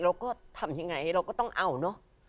เราก็ทำยังไงเราก็ต้องเอาเนอะ